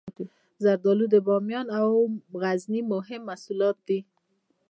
زردالو د بامیان او غزني مهم محصول دی.